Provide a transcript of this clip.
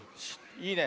いいね。